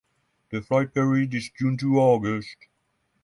The flight period is June to August.